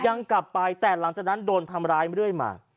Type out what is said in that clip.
ยังกลับไปแต่หลังจากนั้นโดนทำร้ายเรื่อยมา